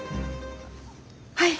はい！